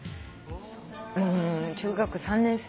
うん中学３年生。